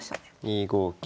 ２五桂。